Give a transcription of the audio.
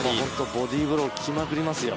ボディーブロー効きまくりますよ。